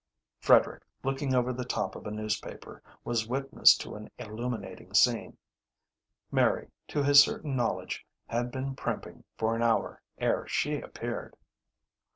Frederick, looking over the top of a newspaper, was witness to an illuminating scene; Mary, to his certain knowledge, had been primping for an hour ere she appeared.